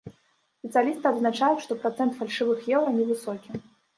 Спецыялісты адзначаюць, што працэнт фальшывых еўра не высокі.